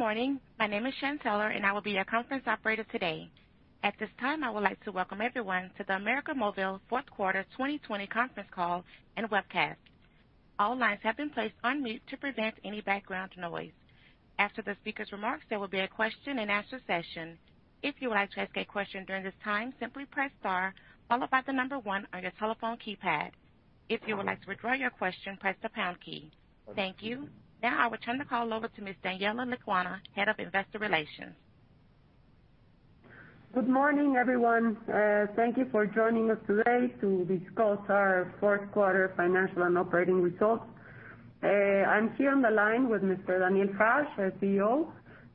Good morning. My name is Shan Teller, and I will be your conference operator today. At this time, I would like to welcome everyone to the América Móvil Fourth Quarter 2020 Conference Call and Webcast. All lines have been placed on mute to prevent any background noise. After the speaker's remarks, there will be a question and answer session. If you would like to ask a question during this time, simply press star one on your telephone keypad. If you would like to withdraw your question, press the pound key. Thank you. Now I will turn the call over to Ms. Daniela Lecuona, Head of Investor Relations. Good morning, everyone. Thank you for joining us today to discuss our fourth quarter financial and operating results. I am here on the line with Mr. Daniel Hajj, our CEO,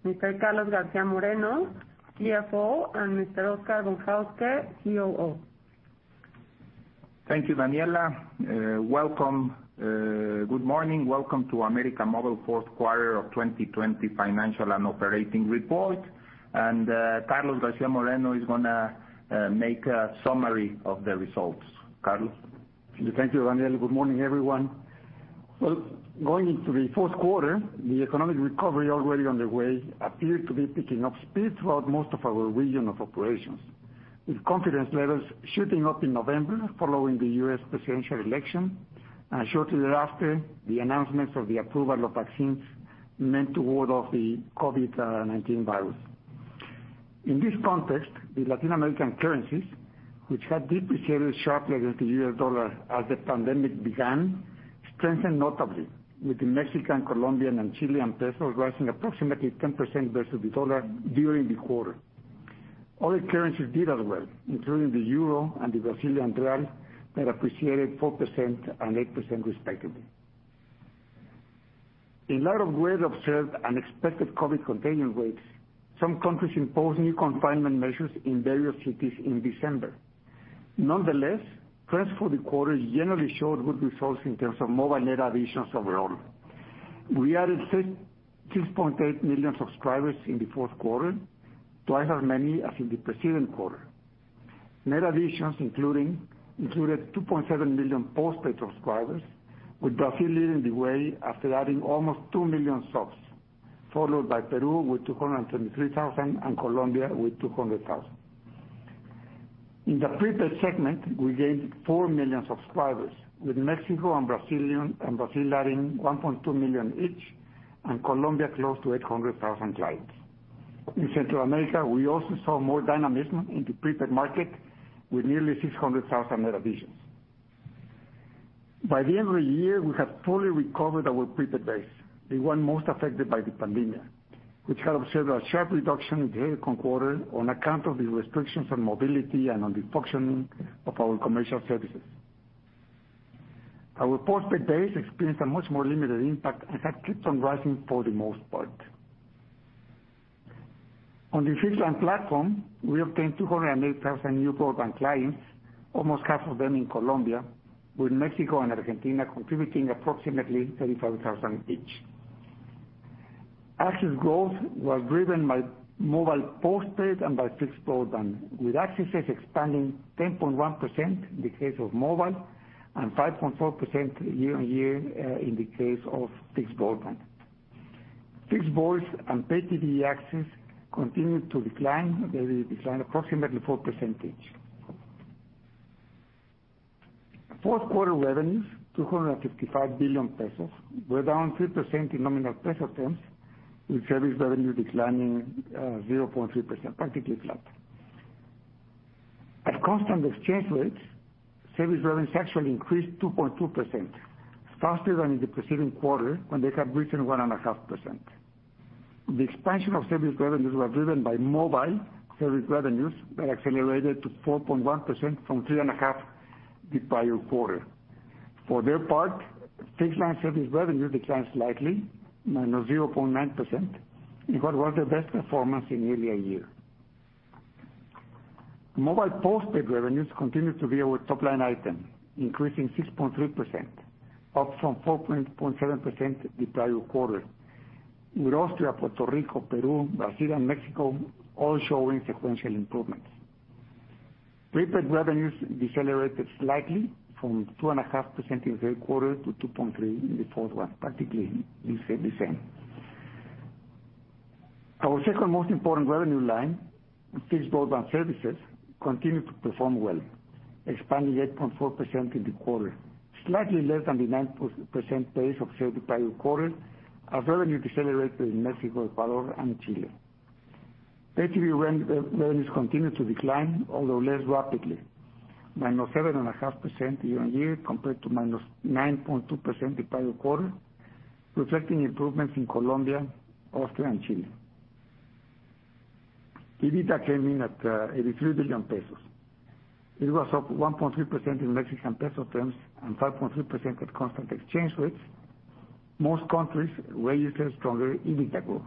Mr. Carlos García Moreno, CFO, and Mr. Oscar Von Hauske, COO. Thank you, Daniela. Welcome. Good morning. Welcome to América Móvil fourth quarter of 2020 financial and operating report. Carlos García Moreno is going to make a summary of the results. Carlos? Thank you, Daniel. Good morning, everyone. Well, going into the fourth quarter, the economic recovery already underway appeared to be picking up speed throughout most of our region of operations, with confidence levels shooting up in November following the U.S. presidential election, and shortly thereafter, the announcements of the approval of vaccines meant to ward off the COVID-19 virus. In this context, the Latin American currencies, which had depreciated sharply against the U.S. dollar as the pandemic began, strengthened notably with the Mexican, Colombian, and Chilean pesos rising approximately 10% versus the U.S. dollar during the quarter. Other currencies did as well, including the euro and the Brazilian real, that appreciated 4% and 8% respectively. In light of widespread observed unexpected COVID contagion rates, some countries imposed new confinement measures in various cities in December. Nonetheless, trends for the quarter generally showed good results in terms of mobile net additions overall. We added 6.8 million subscribers in the fourth quarter, 2x as many as in the preceding quarter. Net additions included 2.7 million postpaid subscribers, with Brazil leading the way after adding almost 2 million subs, followed by Peru with 223,000 and Colombia with 200,000. In the prepaid segment, we gained 4 million subscribers, with Mexico and Brazil adding 1.2 million each, and Colombia close to 800,000 clients. In Central America, we also saw more dynamism in the prepaid market with nearly 600,000 net additions. By the end of the year, we had fully recovered our prepaid base, the one most affected by the pandemic, which had observed a sharp reduction in the second quarter on account of the restrictions on mobility and on the functioning of our commercial services. Our postpaid base experienced a much more limited impact as that keeps on rising for the most part. On the fixed line platform, we obtained 208,000 new broadband clients, almost half of them in Colombia, with Mexico and Argentina contributing approximately 35,000 each. Access growth was driven by mobile postpaid and by fixed broadband, with accesses expanding 10.1% in the case of mobile and 5.4% year-over-year in the case of fixed broadband. Fixed voice and pay TV access continued to decline. They declined approximately 4% each. Fourth quarter revenues, 255 billion pesos, were down 3% in nominal MXN terms, with service revenue declining 0.3%, practically flat. At constant exchange rates, service revenues actually increased 2.2%, faster than in the preceding quarter when they had risen 1.5%. The expansion of service revenues was driven by mobile service revenues that accelerated to 4.1% from 3.5% the prior quarter. For their part, fixed line service revenue declined slightly, -0.9%, in what was their best performance in nearly a year. Mobile postpaid revenues continued to be our top-line item, increasing 6.3%, up from 4.7% the prior quarter, with Austria, Puerto Rico, Peru, Brazil, and Mexico all showing sequential improvements. Prepaid revenues decelerated slightly from 2.5% in the third quarter to 2.3% in the fourth one, particularly in December. Our second most important revenue line, fixed broadband services, continued to perform well, expanding 8.4% in the quarter, slightly less than the 9% pace observed the prior quarter as revenue decelerated in Mexico, Ecuador, and Chile. Pay TV revenues continued to decline, although less rapidly, -7.5% year-on-year compared to -9.2% the prior quarter, reflecting improvements in Colombia, Austria, and Chile. EBITDA came in at 83 billion pesos. It was up 1.3% in MXN terms and 5.3% at constant exchange rates. Most countries registered stronger EBITDA growth.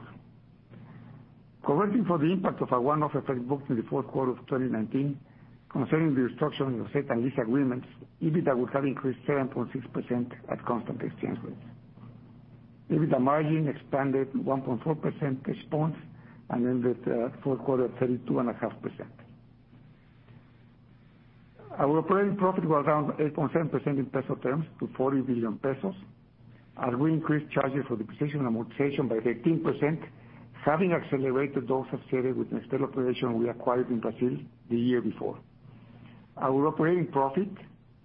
Correcting for the impact of a one-off effect booked in the fourth quarter of 2019 concerning the restructuring of certain lease agreements, EBITDA would have increased 7.6% at constant exchange rates. EBITDA margin expanded 1.4 percentage points and ended the fourth quarter at 32.5%. Our operating profit was around 8.7% in MXN terms to 40 billion pesos, and we increased charges for depreciation and amortization by 13%, having accelerated those associated with Nextel operation we acquired in Brazil the year before. Our operating profit,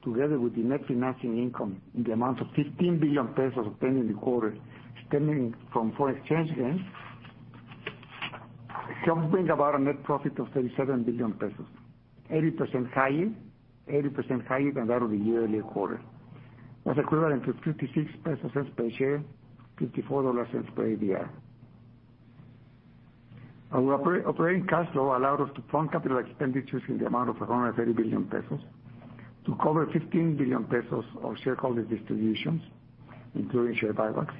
together with the net financing income in the amount of 15 billion pesos obtained in the quarter stemming from foreign exchange gains, helped bring about a net profit of 37 billion pesos, 80% higher than that of the year earlier quarter. That's equivalent to 0.56 pesos per share, $0.54 per ADR. Our operating cash flow allowed us to fund CapEx in the amount of 130 billion pesos to cover 15 billion pesos of shareholder distributions, including share buybacks,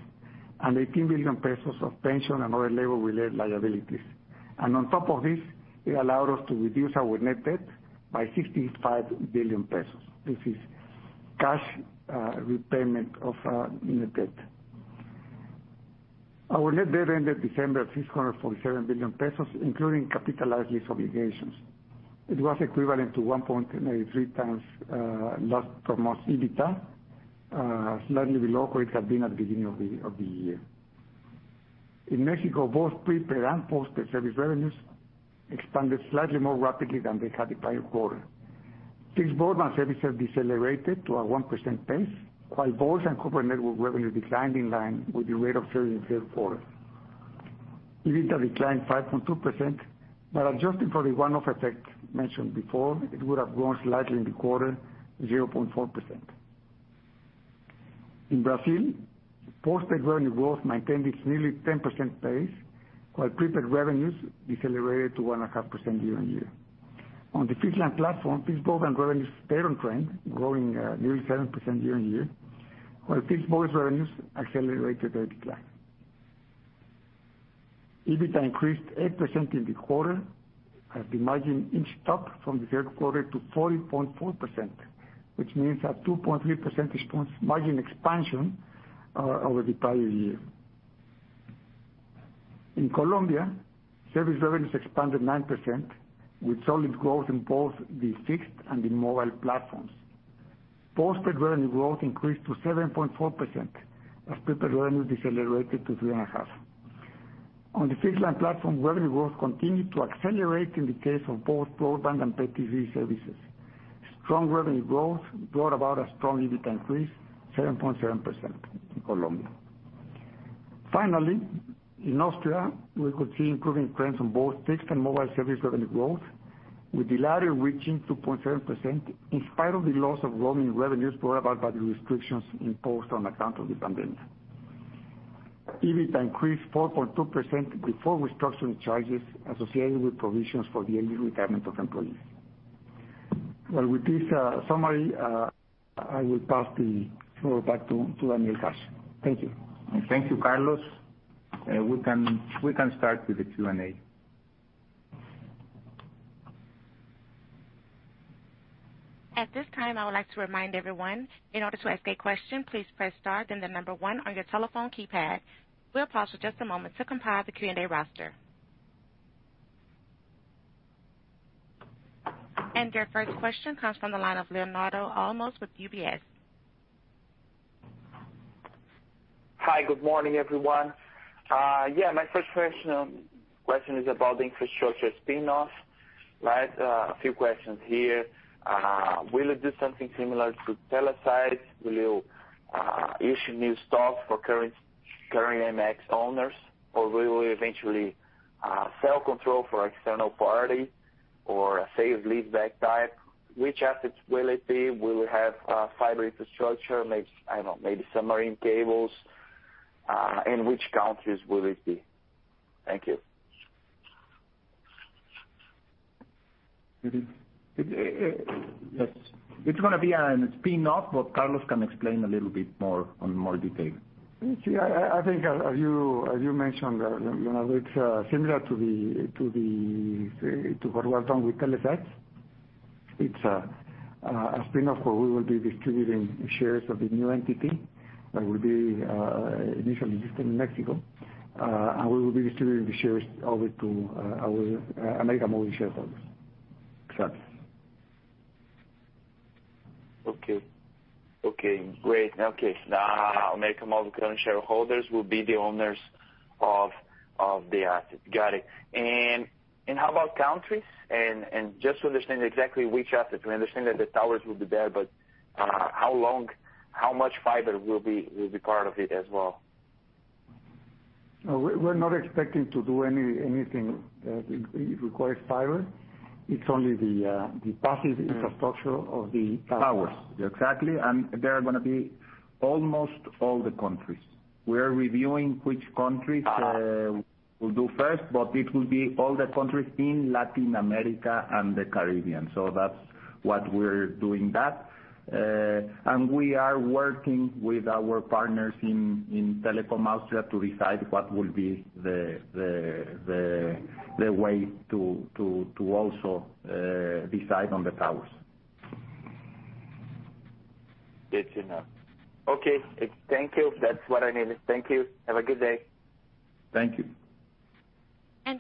and 18 billion pesos of pension and other labor-related liabilities. On top of this, it allowed us to reduce our net debt by 65 billion pesos. This is cash repayment of net debt. Our net debt ended December at 647 billion pesos, including capitalized lease obligations. It was equivalent to 1.3x last promote EBITDA, slightly below where it had been at the beginning of the year. In Mexico, both prepaid and postpaid service revenues expanded slightly more rapidly than they had the prior quarter. Fixed broadband services have decelerated to a 1% pace, while voice and corporate network revenue declined in line with the rate of sales in the third quarter. EBITDA declined 5.2%, but adjusting for the one-off effect mentioned before, it would have grown slightly in the quarter, 0.4%. In Brazil, postpaid revenue growth maintained its nearly 10% pace, while prepaid revenues decelerated to 1.5% year-on-year. On the fixed line platform, fixed broadband revenues stayed on trend, growing nearly 7% year-on-year, while fixed mobile revenues accelerated their decline. EBITDA increased 8% in the quarter, and the margin inched up from the third quarter to 40.4%, which means a 2.3% margin expansion over the prior year. In Colombia, service revenues expanded 9%, with solid growth in both the fixed and the mobile platforms. Postpaid revenue growth increased to 7.4%, as prepaid revenue decelerated to 3.5%. On the fixed line platform, revenue growth continued to accelerate in the case of both broadband and pay TV services. Strong revenue growth brought about a strong EBITDA increase, 7.7% in Colombia. Finally, in Austria, we could see improving trends on both fixed and mobile service revenue growth, with the latter reaching 2.7%, in spite of the loss of roaming revenues brought about by the restrictions imposed on account of the pandemic. EBITDA increased 4.2% before restructuring charges associated with provisions for the early retirement of employees. Well, with this summary, I will pass the floor back to Daniel Hajj. Thank you. Thank you, Carlos. We can start with the Q&A. At this time, I would like to remind everyone, in order to ask a question, please press star then the number one on your telephone keypad. We'll pause for just a moment to compile the Q&A roster. Your first question comes from the line of Leonardo Olmos with UBS. Hi. Good morning, everyone. My first question is about the infrastructure spin-off. A few questions here. Will it do something similar to Telesites? Will you issue new stock for current AMX owners, or will you eventually sell control for external party or a sale leaseback type? Which assets will it be? Will it have fiber infrastructure, maybe submarine cables? Which countries will it be? Thank you. It's going to be a spin-off, but Carlos can explain a little bit more on more detail. I think as you mentioned, it's similar to what was done with Telesites. It's a spin-off where we will be distributing shares of the new entity that will be initially listed in Mexico, and we will be distributing the shares over to our América Móvil shareholders. Exactly. Okay, great. Now América Móvil current shareholders will be the owners of the asset. Got it. How about countries? Just to understand exactly which assets. We understand that the towers will be there, but how much fiber will be part of it as well? We're not expecting to do anything that requires fiber. It's only the passive infrastructure of the towers. Towers. Exactly. They're going to be almost all the countries. We are reviewing which countries we'll do first, but it will be all the countries in Latin America and the Caribbean. That's what we're doing that. We are working with our partners in Telekom Austria to decide what will be the way to also decide on the towers. It's enough. Okay, thank you. That's what I needed. Thank you. Have a good day. Thank you.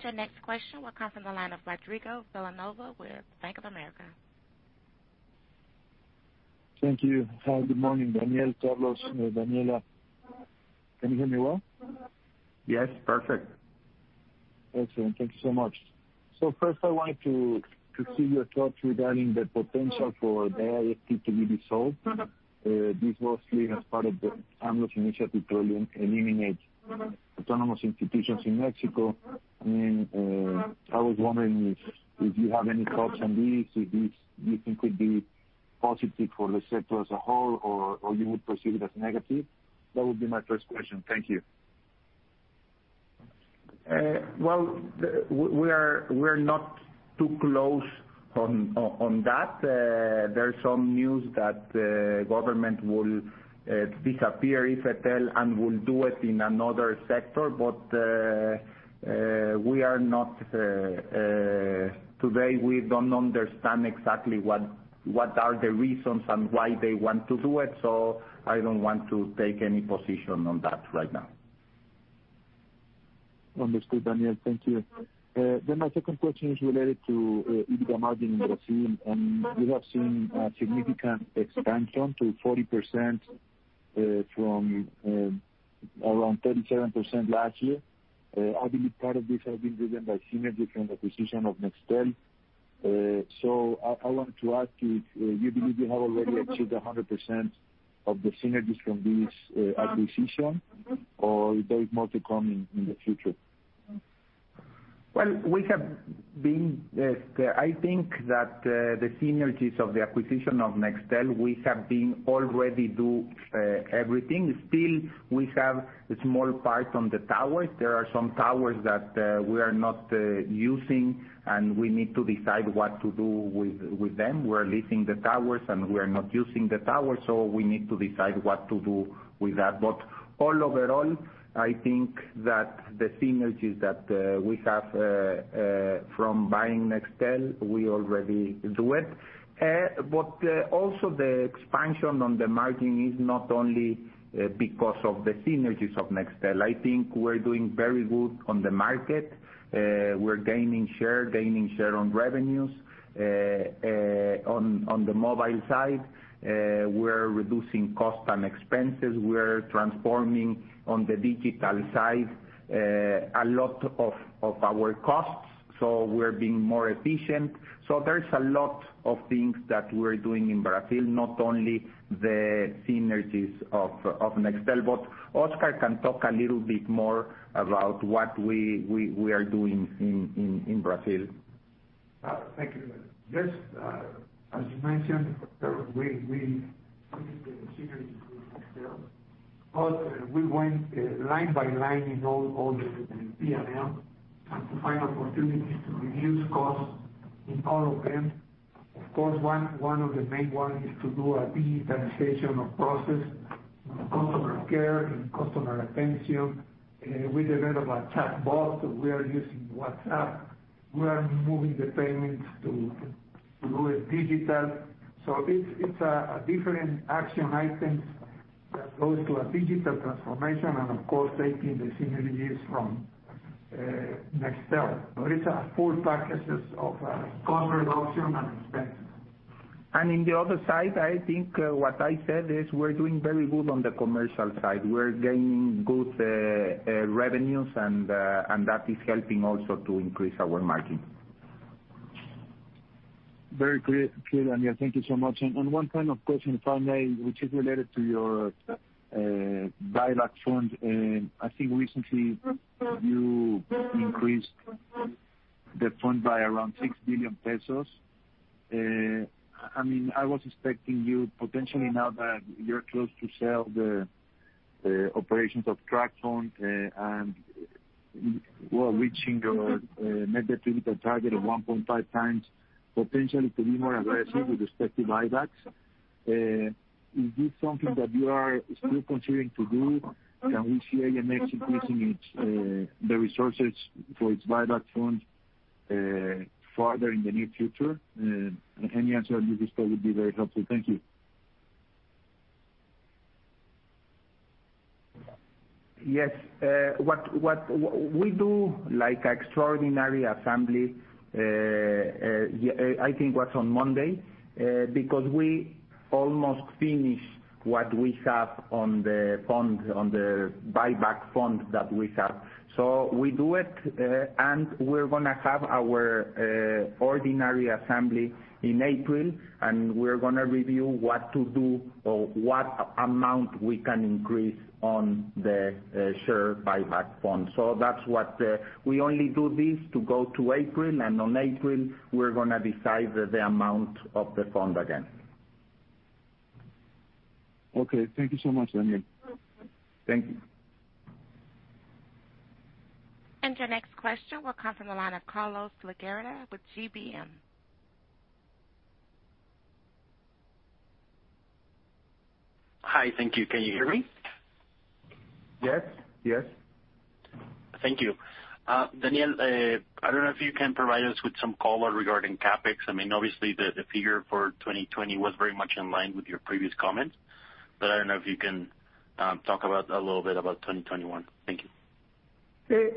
Your next question will come from the line of Rodrigo Villanueva with Bank of America. Thank you. Good morning, Daniel, Carlos, Daniela. Can you hear me well? Yes, perfect. Excellent. Thank you so much. First, I wanted to see your thoughts regarding the potential for the IFT to be dissolved. This mostly as part of the AMLO's initiative to eliminate autonomous institutions in Mexico. I was wondering if you have any thoughts on this, if this you think could be positive for the sector as a whole or you would perceive it as negative? That would be my first question. Thank you. Well, we're not too close on that. There's some news that the government will disappear the IFT and will do it in another sector, but today we don't understand exactly what are the reasons and why they want to do it. I don't want to take any position on that right now. Understood, Daniel. Thank you. My second question is related to EBITDA margin in Brazil. We have seen a significant expansion to 40% from around 37% last year. I believe part of this has been driven by synergies from the acquisition of Nextel. I wanted to ask you if you believe you have already achieved 100% of the synergies from this acquisition, or there is more to come in the future? Well, I think that the synergies of the acquisition of Nextel, we have been already do everything. Still, we have a small part on the towers. There are some towers that we are not using, and we need to decide what to do with them. We're leasing the towers, and we're not using the towers, so we need to decide what to do with that. All overall, I think that the synergies that we have from buying Nextel, we already do it. Also the expansion on the margin is not only because of the synergies of Nextel. I think we're doing very good on the market. We're gaining share on revenues. On the mobile side, we're reducing cost and expenses. We're transforming on the digital side a lot of our costs, so we're being more efficient. There's a lot of things that we're doing in Brazil, not only the synergies of Nextel, but Oscar can talk a little bit more about what we are doing in Brazil. Thank you. Yes, as you mentioned, we finished the synergies with Nextel, but we went line by line in all the P&L to find opportunities to reduce costs in all of them. Of course, one of the main one is to do a digitalization of process in customer care, in customer attention. We developed a chatbot, we are using WhatsApp. We are moving the payments to do it digital. It's a different action items that goes to a digital transformation and of course, taking the synergies from Nextel. It's a full packages of cost reduction and expenses. In the other side, I think what I said is we're doing very good on the commercial side. We're gaining good revenues and that is helping also to increase our margin. Very clear, Daniel. Thank you so much. One final question, finally, which is related to your buyback fund. I think recently you increased the fund by around 6 billion pesos. I was expecting you potentially now that you're close to sell the operations of TracFone and we're reaching your net debt to EBITDA target of 1.5x, potentially to be more aggressive with respect to buybacks. Is this something that you are still continuing to do? Can we see AMX increasing the resources for its buyback fund further in the near future? Any answer you could spare would be very helpful. Thank you. Yes. We do like extraordinary assembly, I think was on Monday, because we almost finished what we have on the buyback fund that we have. We do it. We're going to have our ordinary assembly in April, and we're going to review what to do or what amount we can increase on the share buyback fund. That's what, we only do this to go to April, and on April, we're going to decide the amount of the fund again. Okay. Thank you so much, Daniel. Thank you. Your next question will come from the line of Carlos de Legarreta with GBM. Hi. Thank you. Can you hear me? Yes. Thank you. Daniel, I don't know if you can provide us with some color regarding CapEx. Obviously, the figure for 2020 was very much in line with your previous comments, but I don't know if you can talk a little bit about 2021. Thank you.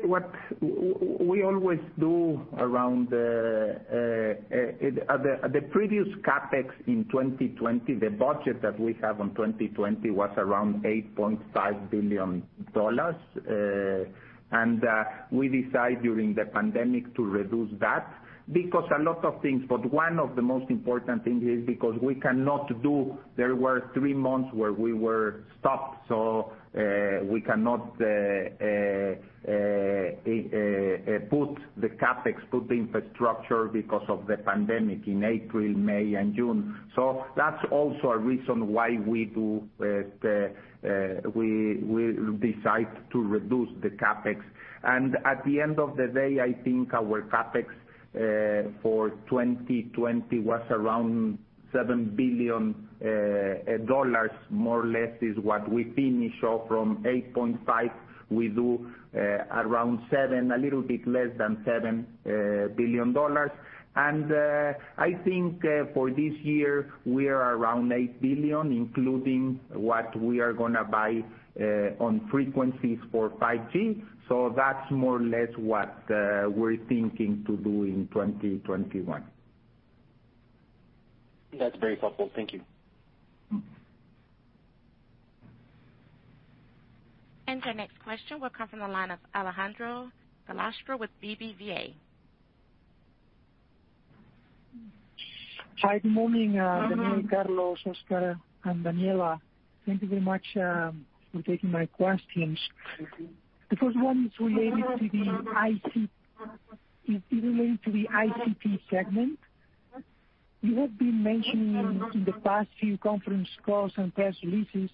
What we always do around the previous CapEx in 2020, the budget that we have on 2020 was around $8.5 billion. We decide during the pandemic to reduce that because a lot of things, but one of the most important things is because we cannot do, there were three months where we were stopped, we cannot put the CapEx, put the infrastructure because of the pandemic in April, May, and June. That's also a reason why we decide to reduce the CapEx. At the end of the day, I think our CapEx for 2020 was around $7 billion, more or less is what we finish off from 8.5, we do around 7, a little bit less than $7 billion. I think for this year, we are around $8 billion, including what we are going to buy on frequencies for 5G. That's more or less what we're thinking to do in 2021. That's very helpful. Thank you. Our next question will come from the line of Alejandro Gallastegui with BBVA. Hi, good morning Daniel, Carlos, Oscar, and Daniela. Thank you very much for taking my questions. The first one is related to the ICT segment. You have been mentioning in the past few conference calls and press releases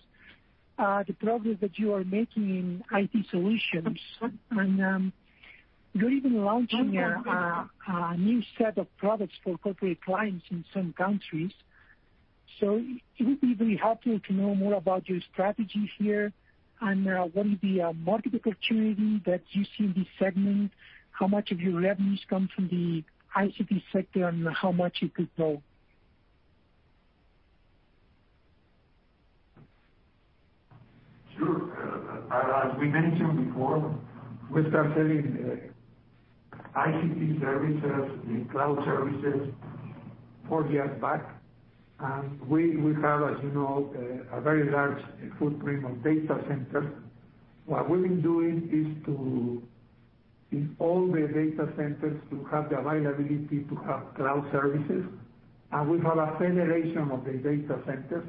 the progress that you are making in IT solutions. You're even launching a new set of products for corporate clients in some countries. It would be very helpful to know more about your strategy here and what is the market opportunity that you see in this segment, how much of your revenues come from the ICT sector, and how much it could grow. Sure. As we mentioned before, we start selling ICT services and cloud services four years back. We have, as you know, a very large footprint on data centers. What we've been doing is to, in all the data centers, to have the availability to have cloud services. We have a federation of the data centers.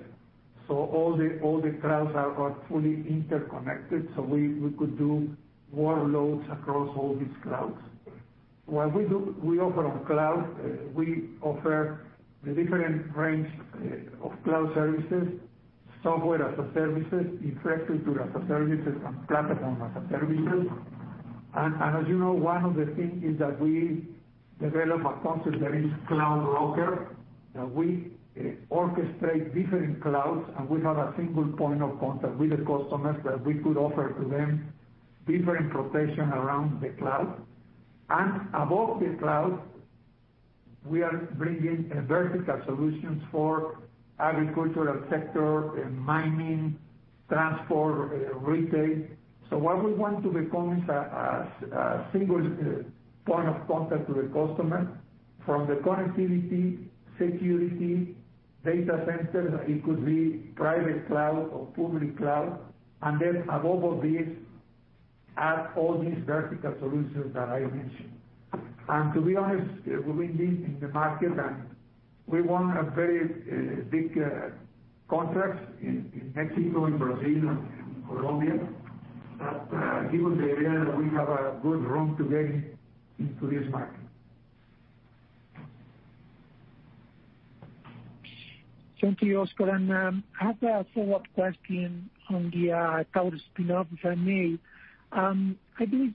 All the clouds are fully interconnected, so we could do workloads across all these clouds. What we do, we offer on cloud, we offer the different range of cloud services, software as a services, infrastructure as a services, and platform as a services. As you know, one of the things is that we develop a concept that is cloud broker, that we orchestrate different clouds, and we have a single point of contact with the customers that we could offer to them different protection around the cloud. Above the cloud, we are bringing vertical solutions for agricultural sector, mining, transport, retail. What we want to become is a single point of contact to the customer from the connectivity, security, data center, it could be private cloud or public cloud, and then above all these, add all these vertical solutions that I mentioned. To be honest, we've been in the market, and we won a very big contract in Mexico, in Brazil, and Colombia, that gives the idea that we have a good room to gain into this market. Thank you, Oscar. I have a follow-up question on the tower spinoff, if I may. I believe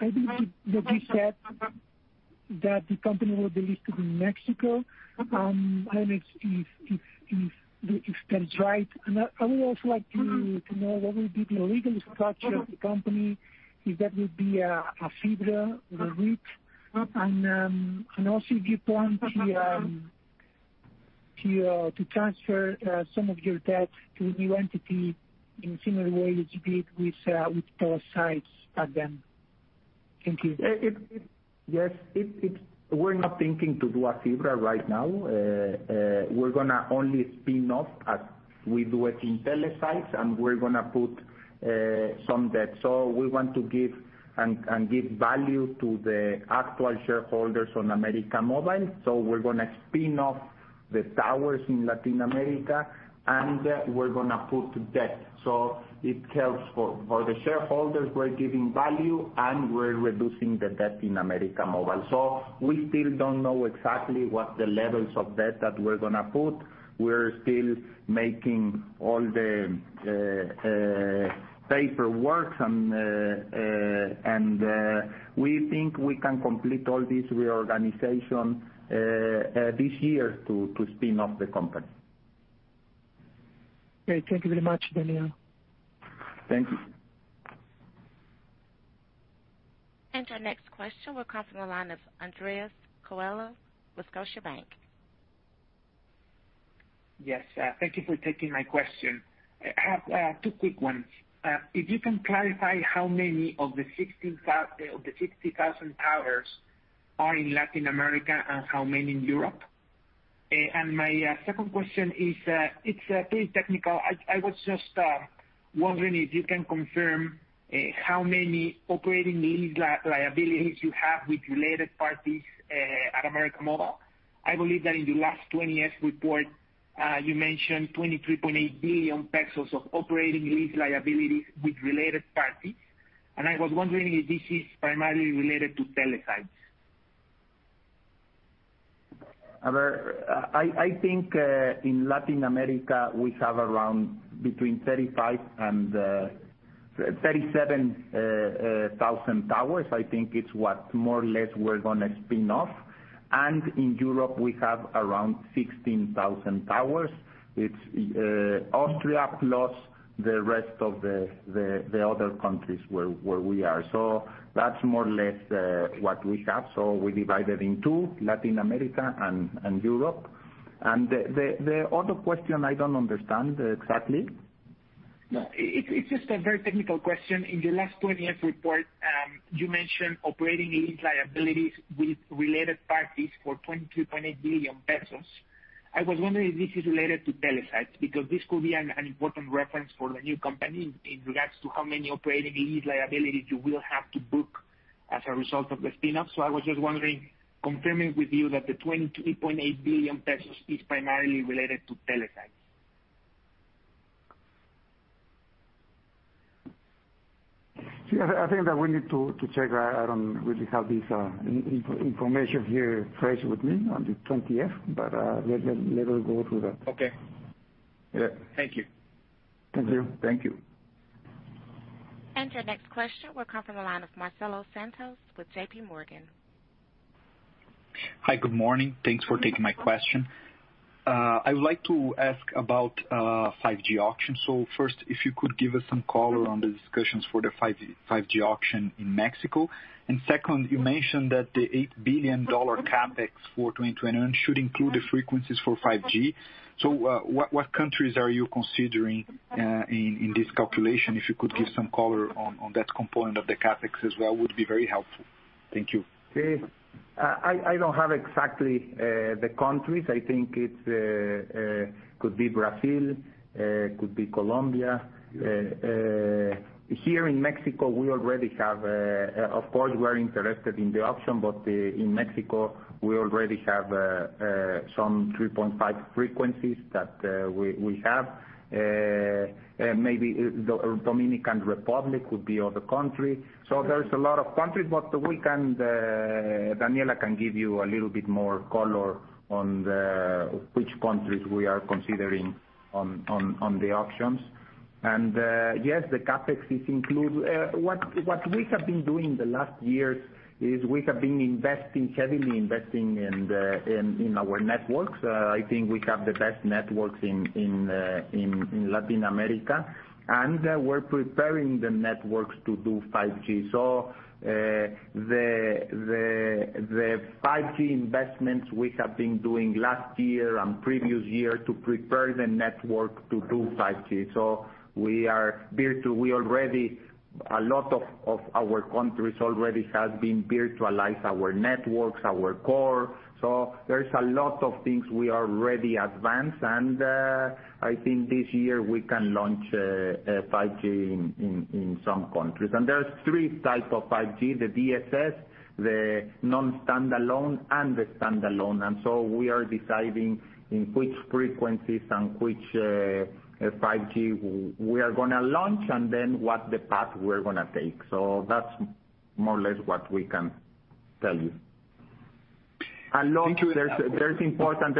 that you said that the company will be listed in Mexico. I don't know if that is right. I would also like to know what will be the legal structure of the company, if that would be a FIBRA or a REIT, and also if you plan to transfer some of your debt to the new entity in a similar way that you did with Telesites at the end. Thank you. Yes. We're not thinking to do a FIBRA right now. We're going to only spin off as we do it in Telesites, and we're going to put some debt. We want to give and give value to the actual shareholders on América Móvil. We're going to spin off the towers in Latin America, and we're going to put debt. It helps for the shareholders, we're giving value, and we're reducing the debt in América Móvil. We still don't know exactly what the levels of debt that we're going to put. We're still making all the paperwork, and we think we can complete all this reorganization this year to spin off the company. Great. Thank you very much, Daniel. Thank you. Our next question will come from the line of Andrés Coello with Scotiabank. Yes. Thank you for taking my question. I have two quick ones. If you can clarify how many of the 60,000 towers are in Latin America and how many in Europe. My second question is pretty technical. I was just wondering if you can confirm how many operating lease liabilities you have with related parties at América Móvil. I believe that in the last 20-F report, you mentioned 23.8 billion pesos of operating lease liabilities with related parties. I was wondering if this is primarily related to Telesites. I think in Latin America, we have around between 35,000 and 37,000 towers. I think it's what more or less we're going to spin off. In Europe, we have around 16,000 towers. It's Austria plus the rest of the other countries where we are. That's more or less what we have. We divide it in two, Latin America and Europe. The other question, I don't understand exactly. No, it's just a very technical question. In the last 20-F report, you mentioned operating lease liabilities with related parties for 23.8 billion pesos. I was wondering if this is related to Telesites, because this could be an important reference for the new company in regards to how many operating lease liabilities you will have to book as a result of the spin-off. I was just wondering, confirming with you that the 23.8 billion pesos is primarily related to Telesites. See, I think that we need to check. I don't really have this information here fresh with me on the 20-F. Let us go through that. Okay. Yeah. Thank you. Thank you. Your next question will come from the line of Marcelo Santos with JPMorgan. Hi. Good morning. Thanks for taking my question. I would like to ask about 5G auction. First, if you could give us some color on the discussions for the 5G auction in Mexico. Second, you mentioned that the $8 billion CapEx for 2021 should include the frequencies for 5G. What countries are you considering in this calculation? If you could give some color on that component of the CapEx as well, would be very helpful. Thank you. Okay. I don't have exactly the countries. I think it could be Brazil, could be Colombia. Here in Mexico, of course, we're interested in the auction, but in Mexico, we already have some 3.5 frequencies that we have. Maybe Dominican Republic could be other country. There's a lot of countries, but Daniela can give you a little bit more color on which countries we are considering on the auctions. Yes, the CapEx is included. What we have been doing the last years is we have been heavily investing in our networks. I think we have the best networks in Latin America, and we're preparing the networks to do 5G. The 5G investments we have been doing last year and previous year to prepare the network to do 5G. A lot of our countries already have been virtualized, our networks, our core. There's a lot of things we are already advanced and I think this year we can launch 5G in some countries. There's three types of 5G, the DSS, the non-standalone and the standalone. We are deciding in which frequencies and which 5G we are going to launch and then what the path we're going to take. That's more or less what we can tell you. Thank you. There's very important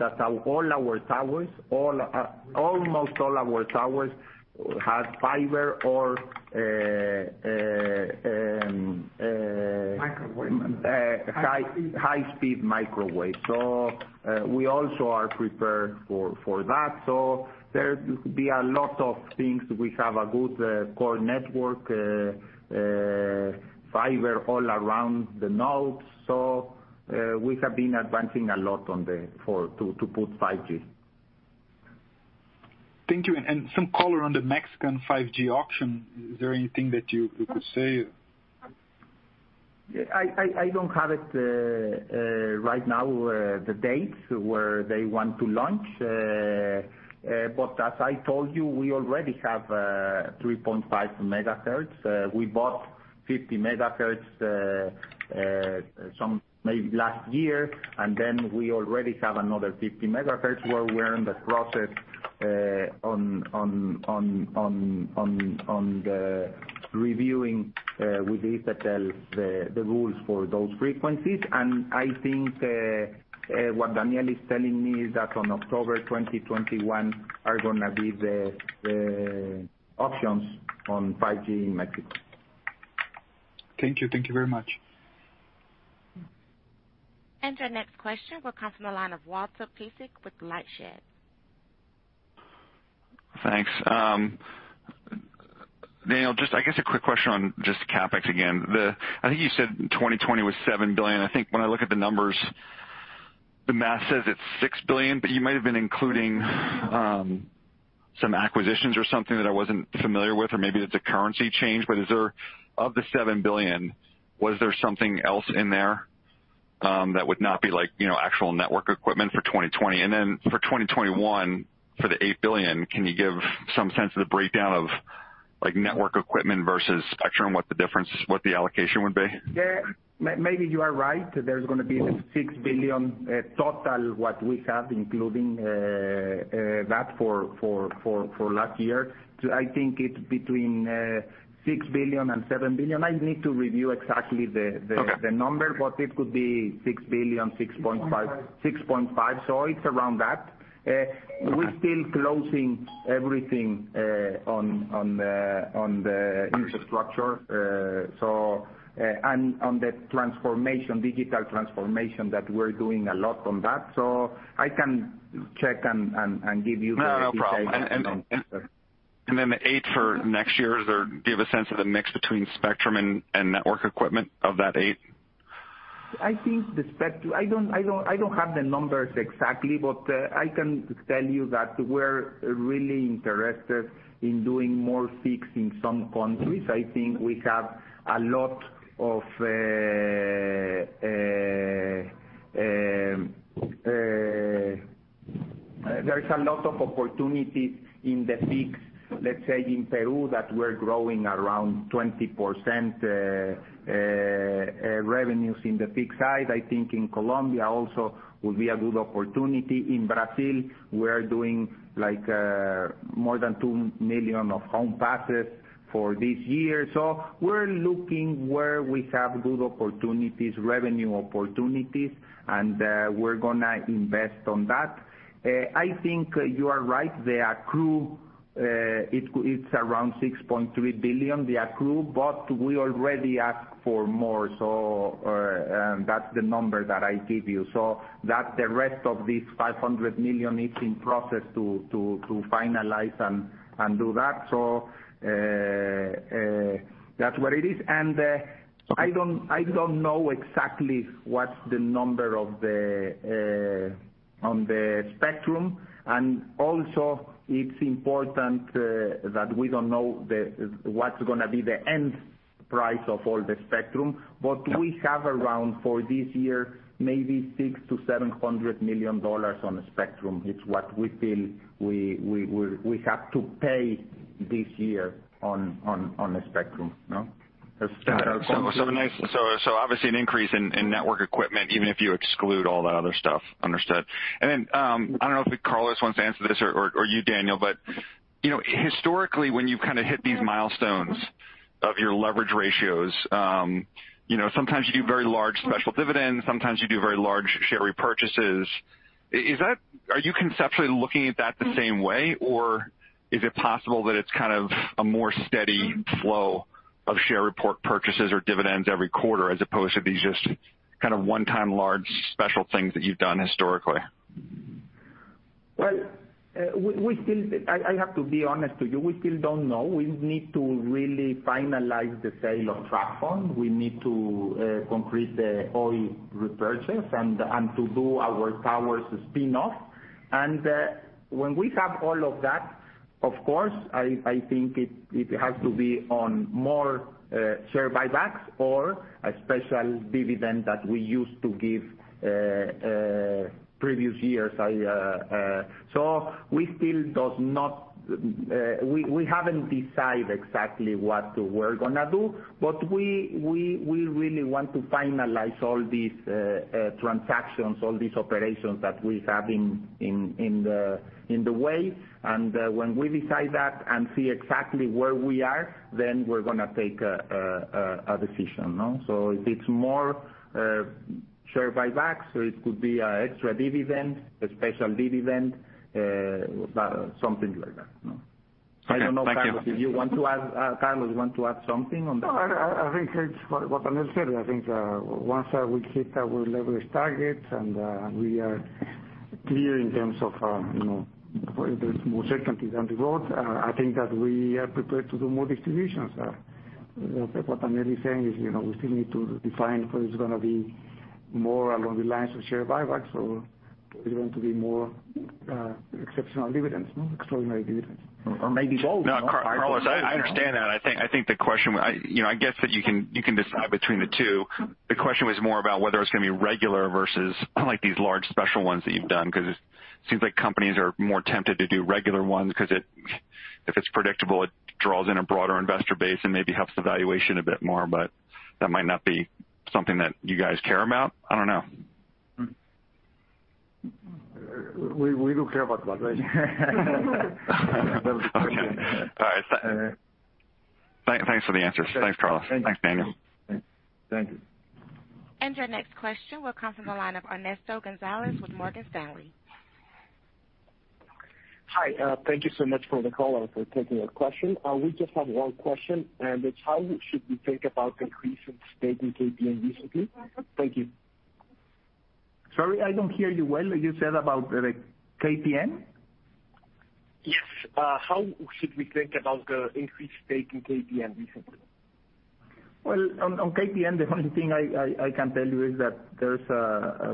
that almost all our towers have fiber. Microwave High-speed microwave. We also are prepared for that. There could be a lot of things. We have a good core network, fiber all around the nodes. We have been advancing a lot to put 5G. Thank you. Some color on the Mexican 5G auction. Is there anything that you could say? I don't have it right now, the dates where they want to launch. As I told you, we already have 3.5 MHz. We bought 50 MHz maybe last year, and then we already have another 50 MHz where we're in the process on the reviewing with IFT the rules for those frequencies. I think what Daniel is telling me is that on October 2021 are gonna be the auctions on 5G in Mexico. Thank you. Thank you very much. Our next question will come from the line of Walter Piecyk with LightShed. Thanks. Daniel, just I guess a quick question on just CapEx again. I think you said 2020 was $7 billion. I think when I look at the numbers, the math says it's $6 billion, but you might have been including some acquisitions or something that I wasn't familiar with, or maybe it's a currency change. Of the $7 billion, was there something else in there that would not be actual network equipment for 2020? For 2021, for the $8 billion, can you give some sense of the breakdown of network equipment versus spectrum, what the difference, what the allocation would be? Yeah, maybe you are right. There's going to be the 6 billion total, what we have, including that for last year. I think it's between 6 billion and 7 billion. I need to review exactly the number. Okay It could be 6 billion, 6.5 billion. It's around that. Okay. We're still closing everything on the infrastructure, and on the digital transformation, that we're doing a lot on that. I can check and give you the details. No, no problem. Then the 8 billion for next year, do you have a sense of the mix between spectrum and network equipment of that 8 billion? I don't have the numbers exactly, but I can tell you that we're really interested in doing more fixes in some countries. I think there is a lot of opportunity in the fix, let's say, in Peru, that we're growing around 20% revenues in the fixed side. I think in Colombia also will be a good opportunity. In Brazil, we are doing more than 2 million of home passes for this year. We're looking where we have good opportunities, revenue opportunities, and we're going to invest in that. I think you are right. The accrue, it's around $6.3 billion. We already asked for more, so that's the number that I give you. That's the rest of this $500 million is in process to finalize and do that. That's what it is. I don't know exactly what's the number on the spectrum, and also it's important that we don't know what's going to be the end price of all the spectrum. Yeah. We have around, for this year, maybe $600 million-$700 million on the spectrum. It's what we feel we have to pay this year on the spectrum. Got it. Obviously an increase in network equipment, even if you exclude all that other stuff. Understood. I don't know if Carlos wants to answer this or you, Daniel, but historically, when you've hit these milestones of your leverage ratios, sometimes you do very large special dividends, sometimes you do very large share repurchases. Are you conceptually looking at that the same way, or is it possible that it's a more steady flow of share report purchases or dividends every quarter, as opposed to these just one-time large special things that you've done historically? Well, I have to be honest to you, we still don't know. We need to really finalize the sale of TracFone. We need to complete all repurchases and to do our towers spin-off. When we have all of that, of course, I think it has to be on more share buybacks or a special dividend that we used to give previous years. We haven't decided exactly what we're going to do, but we really want to finalize all these transactions, all these operations that we have in the way. When we decide that and see exactly where we are, then we're going to take a decision. If it's more share buybacks, or it could be an extra dividend, a special dividend, something like that. Okay. Thank you. I don't know, Carlos, if you want to add something on that? No, I think it's what Daniel said. I think once we hit our leverage targets, and we are clear in terms of more certainty down the road, I think that we are prepared to do more distributions. What Daniel is saying is we still need to define whether it's going to be more along the lines of share buybacks, or is it going to be more exceptional dividends, extraordinary dividends. Maybe both. No, Carlos, I understand that. I guess that you can decide between the two. The question was more about whether it's going to be regular versus these large special ones that you've done, because it seems like companies are more tempted to do regular ones because if it's predictable, it draws in a broader investor base and maybe helps the valuation a bit more. That might not be something that you guys care about. I don't know. We do care about valuation. Okay. All right. Thanks for the answers. Thanks, Carlos. Thanks, Daniel. Thank you. Your next question will come from the line of Ernesto González with Morgan Stanley. Hi. Thank you so much for the call and for taking our question. We just have one question, and it's how should we think about increase in stake in KPN recently? Thank you. Sorry, I don't hear you well. You said about the KPN? Yes. How should we think about the increased stake in KPN recently? Well, on KPN, the only thing I can tell you is that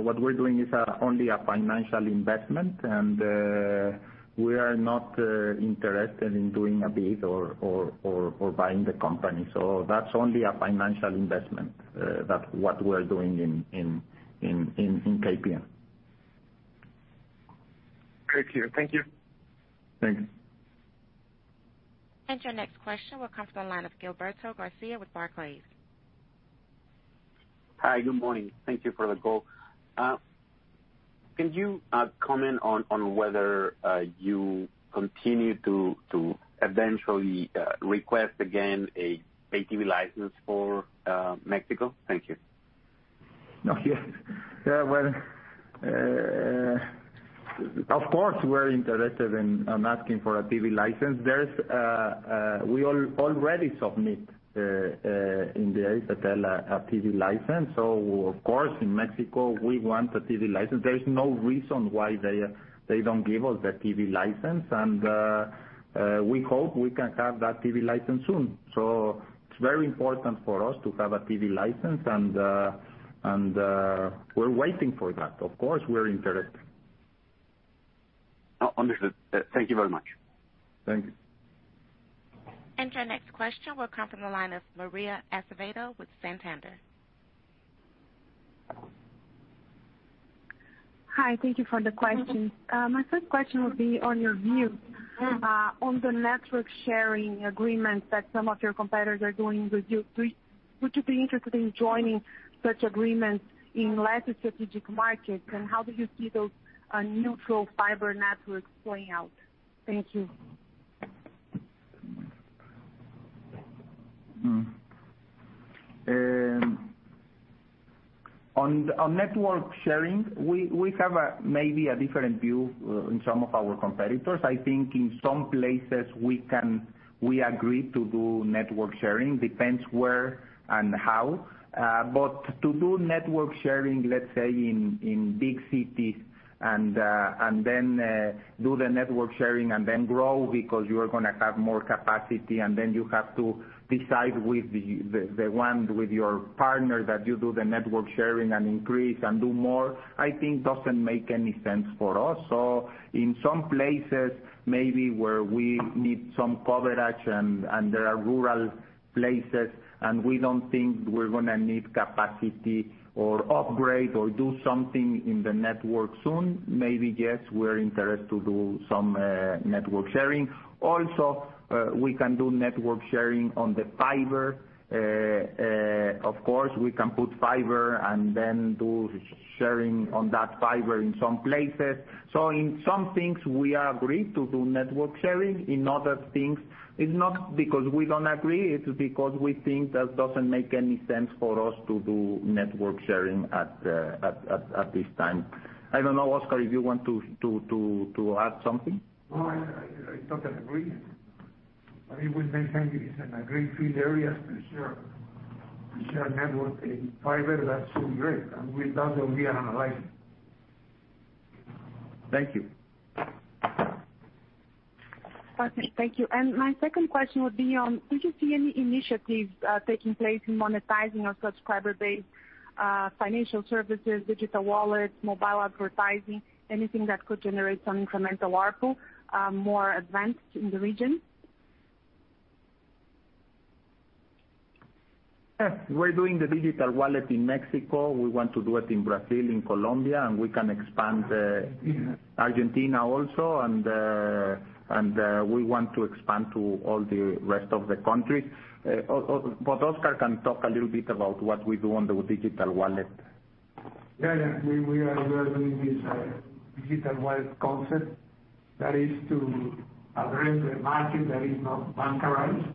what we're doing is only a financial investment, and we are not interested in doing a bid or buying the company. That's only a financial investment. That's what we're doing in KPN. Clear. Thank you. Thanks. Your next question will come from the line of Gilberto Garcia with Barclays. Hi. Good morning. Thank you for the call. Can you comment on whether you continue to eventually request again a pay TV license for Mexico? Thank you. We're interested in asking for a TV license. We already submit, in the IFT, a TV license. Of course, in Mexico, we want a TV license. There's no reason why they don't give us the TV license. We hope we can have that TV license soon. It's very important for us to have a TV license, and we're waiting for that. We're interested. Understood. Thank you very much. Thank you. Your next question will come from the line of Maria Azevedo with Santander. Hi. Thank you for the questions. My first question would be on your view on the network sharing agreements that some of your competitors are doing with you. Would you be interested in joining such agreements in less strategic markets, and how do you see those neutral fiber networks playing out? Thank you. On network sharing, we have maybe a different view in some of our competitors. I think in some places we agree to do network sharing, depends where and how. To do network sharing, let's say in big cities and then do the network sharing and then grow because you are going to have more capacity, and then you have to decide with your partner that you do the network sharing and increase and do more, I think doesn't make any sense for us. In some places, maybe where we need some coverage and there are rural places, and we don't think we're going to need capacity or upgrade or do something in the network soon, maybe, yes, we're interested to do some network sharing. Also, we can do network sharing on the fiber. Of course, we can put fiber and then do sharing on that fiber in some places. In some things, we are agreed to do network sharing. In other things, it's not because we don't agree, it's because we think that doesn't make any sense for us to do network sharing at this time. I don't know, Oscar, if you want to add something? No, I totally agree. I mean, we think it is in agreed field areas to share network in fiber, that's great, and with that there will be another license. Thank you. Perfect. Thank you. My second question would be on, do you see any initiatives taking place in monetizing your subscriber base, financial services, digital wallets, mobile advertising, anything that could generate some incremental ARPU, more advanced in the region? Yes. We're doing the digital wallet in Mexico. We want to do it in Brazil, in Colombia, we can expand Argentina also. We want to expand to all the rest of the countries. Oscar can talk a little bit about what we do on the digital wallet. Yeah. We are doing this digital wallet concept that is to address the market that is not bankarized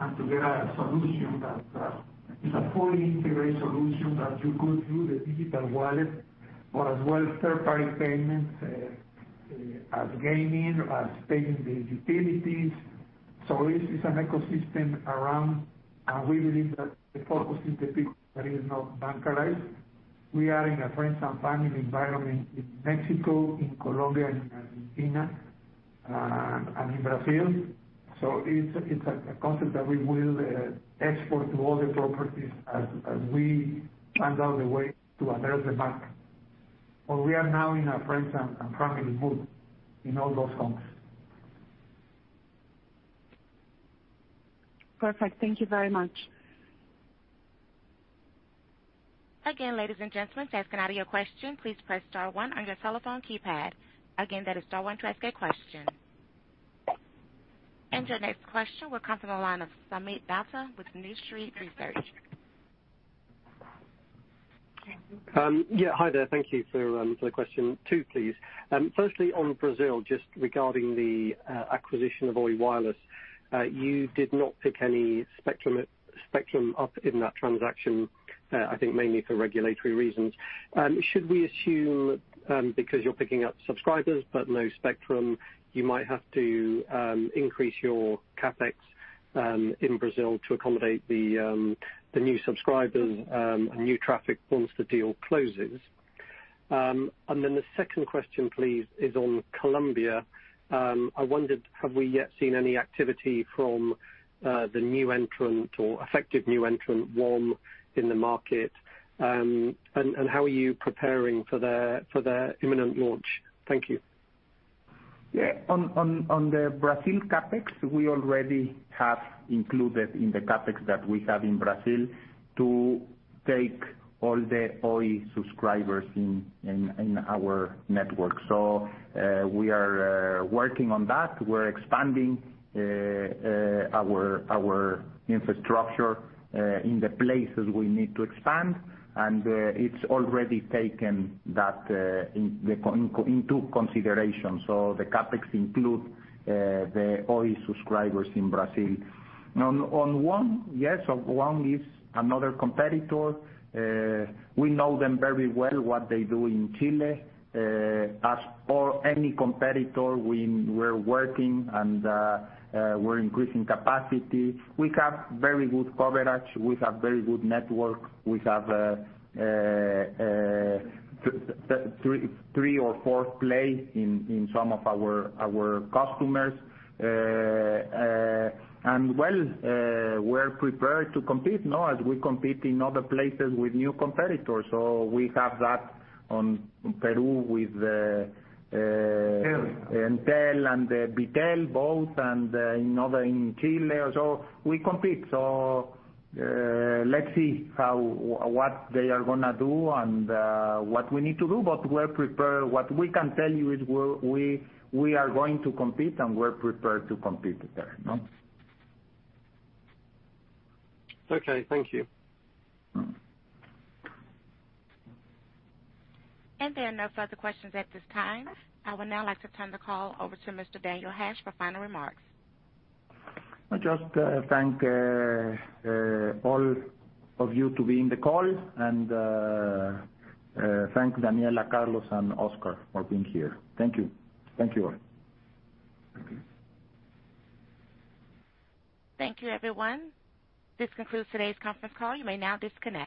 and to get a solution that is a fully integrated solution that you could do the digital wallet, but as well as third-party payments, as gaming, as paying the utilities. This is an ecosystem around, and we believe that the focus is the people that is not bankarized. We are in a friends and family environment in Mexico, in Colombia, in Argentina, and in Brazil. It's a concept that we will export to all the properties as we find out the way to address the market. We are now in a friends and family mood in all those countries. Perfect. Thank you very much. Again, ladies and gentlemen, to ask an audio question, please press star one on your telephone keypad. Again, that is star one to ask a question. Your next question will come from the line of Soomit Datta with New Street Research. Okay. Yeah. Hi there. Thank you. Two questions please. Firstly, on Brazil, just regarding the acquisition of Oi Móvel. You did not pick any spectrum up in that transaction, I think mainly for regulatory reasons. Should we assume, because you're picking up subscribers but no spectrum, you might have to increase your CapEx in Brazil to accommodate the new subscribers, new traffic once the deal closes? The second question please, is on Colombia. I wondered, have we yet seen any activity from the new entrant or effective new entrant, ONE, in the market? How are you preparing for their imminent launch? Yeah. On the Brazil CapEx, we already have included in the CapEx that we have in Brazil to take all the Oi subscribers in our network. We are working on that. We're expanding our infrastructure in the places we need to expand, and it's already taken that into consideration. The CapEx includes the Oi subscribers in Brazil. On ONE, yes. ONE is another competitor. We know them very well, what they do in Chile. As any competitor, we're working and we're increasing capacity. We have very good coverage. We have very good network. We have three or fourth place in some of our customers. Well, we're prepared to compete now, as we compete in other places with new competitors. We have that on Peru. Entel Entel and Bitel both, and in Chile. We compete. Let's see what they are going to do and what we need to do. We're prepared. What we can tell you is we are going to compete, and we're prepared to compete there. Okay. Thank you. There are no further questions at this time. I would now like to turn the call over to Mr. Daniel Hajj for final remarks. I just thank all of you to be in the call, and thank Daniela, Carlos, and Oscar for being here. Thank you. Thank you all. Thank you, everyone. This concludes today's conference call. You may now disconnect.